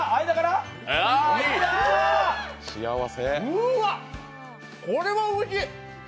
うーわっ、これはおいしい。